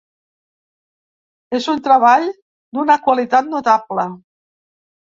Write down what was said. És un treball d'una qualitat notable.